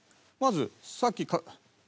まずさっき。